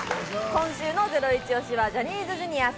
今週のゼロイチ推しは、ジャニーズ